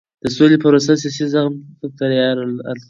د سولې پروسه سیاسي زغم ته اړتیا لري